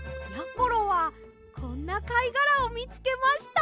ころはこんなかいがらをみつけました。